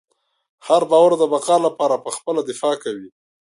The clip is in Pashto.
هر باور د بقا لپاره پخپله دفاع کوي.